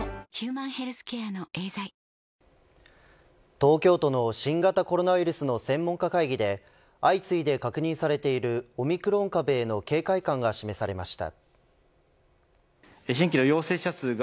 東京都の新型コロナウイルスの専門家会議で相次いで確認されているオミクロン株の警戒感が示されました。